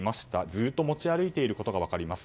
ずっと持ち歩いていることが分かります。